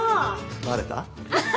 バレた？